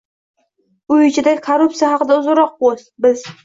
Uy ichidagi korruptsiya haqida uzunroq post, biz